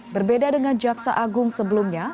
berbeda dengan jaksa agung sebelumnya